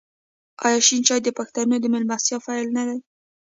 آیا شین چای د پښتنو د میلمستیا پیل نه دی؟